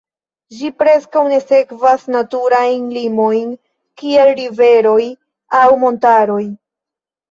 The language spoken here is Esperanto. Ĝi preskaŭ ne sekvas naturajn limojn kiel riveroj aŭ montaroj.